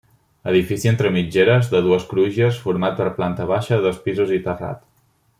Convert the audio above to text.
Edifici entre mitgeres, de dues crugies, format per planta baixa, dos pisos i terrat.